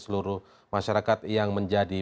seluruh masyarakat yang menjadi